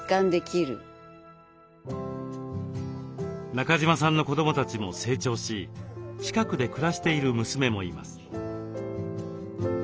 中島さんの子どもたちも成長し近くで暮らしている娘もいます。